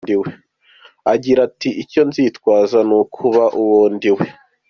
Agira ati “Icyo nzitwaza ni ukuba uwo ndiwe.